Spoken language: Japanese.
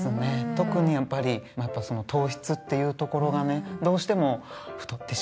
特にやっぱり糖質っていうところがねどうしても太ってしまうっていうのをね